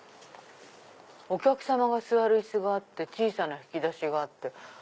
お客様が座る椅子があって小さな引き出しがあって。